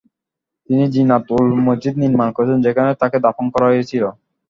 তিনি জিনাত-উল-মসজিদ নির্মান করেন, যেখানে তাকে দাফন করা হয়েছিল।